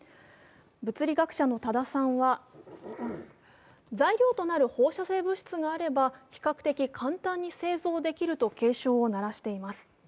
物理学者の多田さんは材料となる放射性物質があれば比較的簡単に製造できると警鐘を鳴らしています。